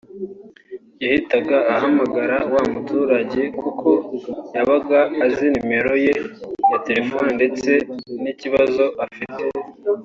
yahitaga ahamagara wa muturage kuko yabaga azi nimero ye ya telefone ndetse n’ikibazo afite